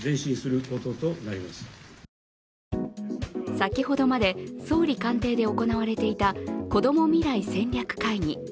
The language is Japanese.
先ほどまで総理官邸で行われていた、こども未来戦略会議